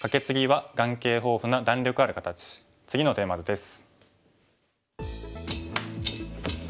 次のテーマ図です。